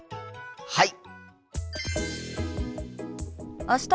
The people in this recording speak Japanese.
はい！